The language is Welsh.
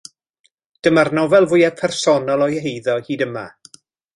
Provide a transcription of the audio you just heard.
Dyma'r nofel fwyaf personol o'i eiddo hyd yma.